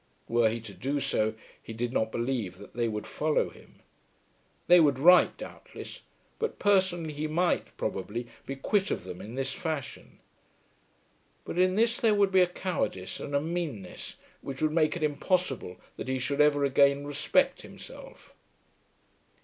Were he to do so he did not believe that they would follow him. They would write doubtless, but personally he might, probably, be quit of them in this fashion. But in this there would be a cowardice and a meanness which would make it impossible that he should ever again respect himself.